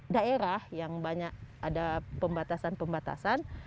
daerah yang banyak ada pembatasan pembatasan